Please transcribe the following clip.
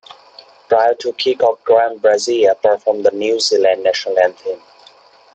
Prior to kick-off Graham Brazier performed the New Zealand national anthem.